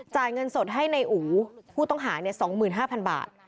จ่ายเงินสดให้ในอู๋ผู้ต้องหา๒๕๐๐๐บาท